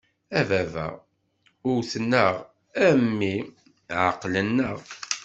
A baba! Wwten-aɣ, a mmi! Ɛeqlen-aɣ.